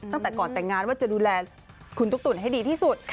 ตั้งแต่ก่อนแต่งงานว่าจะดูแลคุณตุ๊กตุ๋นให้ดีที่สุด